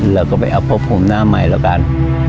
เราก็ไปเอาพวกผมหน้าใหม่แล้วกัน